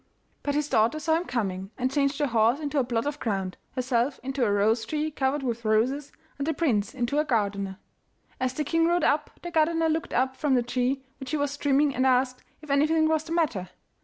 But his daughter saw him coming, and changed her horse into a plot of ground, herself into a rose tree covered with roses, and the prince into a gardener. As the king rode up, the gardener looked up from the tree which he was trimming and asked if anything was the matter.